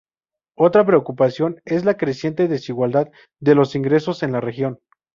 Otra preocupación es la creciente desigualdad de los ingresos en la región.